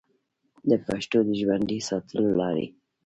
د پښتو د ژوندي ساتلو لارې